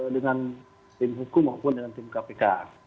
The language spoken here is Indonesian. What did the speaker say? dengan tim hukum maupun dengan tim kpk